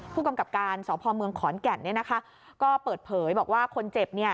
ผู้กำกับการสพเมืองขอนแก่นก็เปิดเผยบอกว่าคนเจ็บ